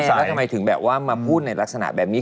แล้วทำไมถึงแบบว่ามาพูดในลักษณะแบบนี้